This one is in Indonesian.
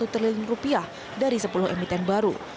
satu triliun rupiah dari sepuluh emiten baru